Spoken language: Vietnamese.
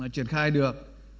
triển khai được